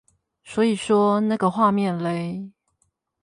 所以說那個畫面勒？